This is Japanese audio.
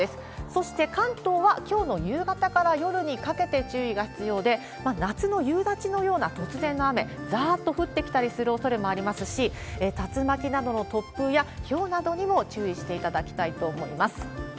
そして、関東はきょうの夕方から夜にかけて注意が必要で、夏の夕立のような突然の雨、ざーっと降ってきたりするおそれもありますし、竜巻などの突風やひょうなどにも注意していただきたいと思います。